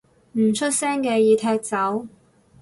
唔出聲嘅已踢走